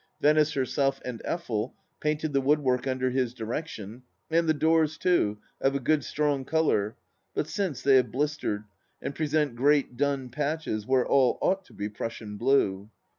Venice herself and Effel painted the wood work under his direction, and the doors too, of a good strong colour, but since they have blistered, and present great dun patches where all ought to be Prussian blue.